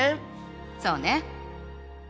そうね。